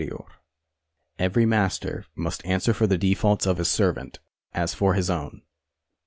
114. Every master must answer for the defaults of his servant as for his own.